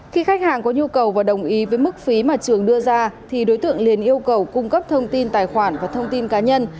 khi khách hàng có nhu cầu và đồng ý với mức phí mà trường đưa ra thì đối tượng liền yêu cầu cung cấp thông tin tài khoản và thông tin cá nhân